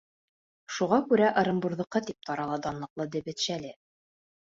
Шуға күрә Ырымбурҙыҡы тип тарала данлыҡлы дебет шәле.